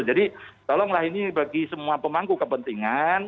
jadi tolonglah ini bagi semua pemangku kepentingan